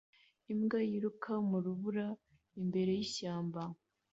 Imbwa yiruka mu rubura imbere yishyamba